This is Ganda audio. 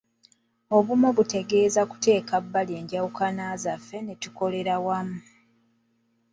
Obumu kitegeeza tuteeka ku bbali enjawukana zaffe ne tukolera wamu.